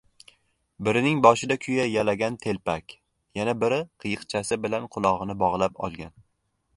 Birining boshida kuya yalagan telpak, yana biri qiyiqchasi bilan qulog‘ini bog‘lab olgan.